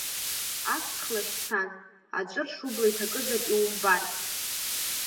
Аҵх лашьцан, аҵәырш убла иҭакызар иумбартә.